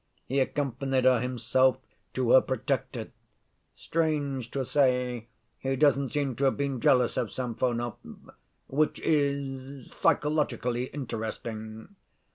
He accompanied her himself to her protector. (Strange to say, he doesn't seem to have been jealous of Samsonov, which is psychologically interesting.)